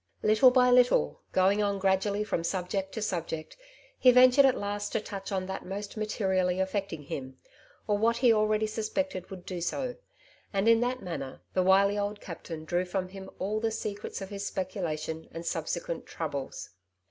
Little by little, going on gradually from subject to subject^ he ventured at last to touch on that most materially affecting him, or what he already suspected would do so, and in that manner the wily old captain drew from him all the secrets of his speculation and subsequent troubles.